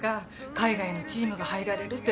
海外のチームが入られるって。